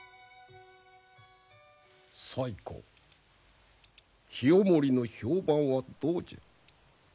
西光清盛の評判はどうじゃ？